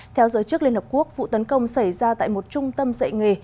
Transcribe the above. theo giới chức liên hợp quốc vụ tấn công xảy ra tại một trung tâm dạy nghề